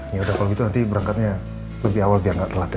ya udah kalau gitu nanti berangkatnya lebih awal biar gak telat ya